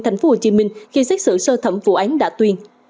tp hcm khi xét xử sơ thẩm vụ án đã tuyên